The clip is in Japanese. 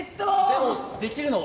でもできるの？